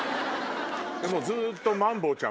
もうずっと。